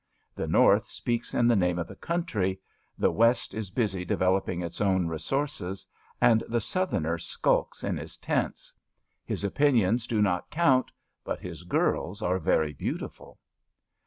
The North speaks in the name of the country; the West is busy developing its own resources, and the Southerner skulks in his tents. His opinions do not count; but his girls are very beautiful.